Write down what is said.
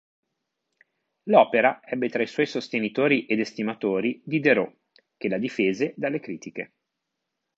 L'opera ebbe tra i suoi sostenitori ed estimatori Diderot, che la difese dalle critiche.